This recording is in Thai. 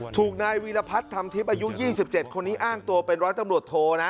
ถูกนายวีรพัฒน์ทำทิพย์อายุ๒๗คนนี้อ้างตัวเป็นร้อยตำรวจโทนะ